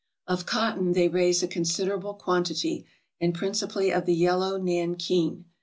Of cotton they raise a considerable quantity, and princi pally of the yellow nankeen.